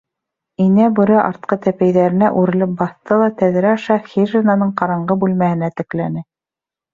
— Инә Бүре артҡы тәпәйҙәренә үрелеп баҫты ла тәҙрә аша хижинаның ҡараңғы бүлмәһенә текләне.